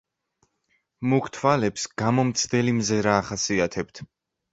მუქ თვალებს გამომცდელი მზერა ახასიათებთ.